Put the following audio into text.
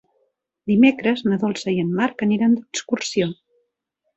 Dimecres na Dolça i en Marc aniran d'excursió.